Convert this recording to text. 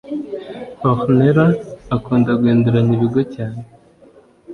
Ornella akunda guhinduranya ibigo cyane